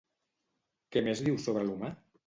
Què més diu sobre l'humà?